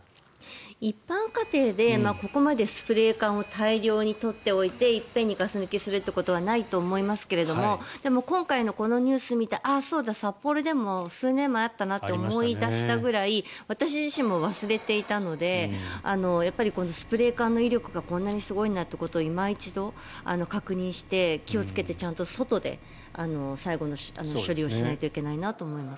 一般家庭でここまでスプレー缶を大量に取っておいて一遍にガス抜きするってことはないと思いますけれどでも今回のニュースを見てそうだな、札幌でも数年前にあったなと思い出したぐらい私自身も忘れていたのでこのスプレー缶の威力がこんなにすごいんだということをいま一度確認して気をつけて、ちゃんと外で最後の処理をしないといけないなと思います。